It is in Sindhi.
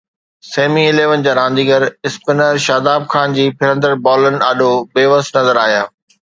سيمي اليون جا رانديگر اسپنر شاداب خان جي ڦرندڙ بالن آڏو بيوس نظر آيا.